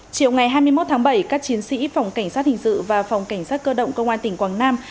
chiều ngày hai mươi một tháng bảy các chiến sĩ phòng cảnh sát hình sự và phòng cảnh sát cơ động công an tỉnh quảng nam